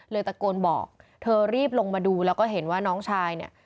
ตะโกนบอกเธอรีบลงมาดูแล้วก็เห็นว่าน้องชายเนี่ย